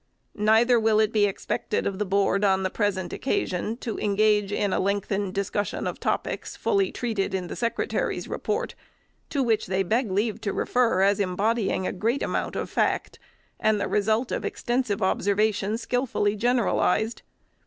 Neither will it be expected of the Board, on the present occasion, to engage in a lengthened discussion of topics, fully treated in their Secretary's report, to which they beg leave to refer, as embodying a great amount of fact, and the result of extensive observation skilfully generalized.